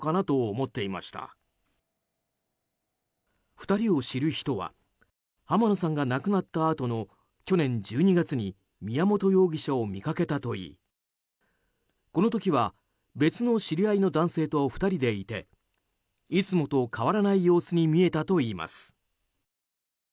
２人を知る人は浜野さんが亡くなったあとの去年１２月に宮本容疑者を見かけたといいこの時は別の知り合いの男性と２人でいていつもと変わらない様子に見えたといいます。